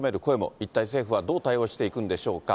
一体政府はどう対応していくんでしょうか。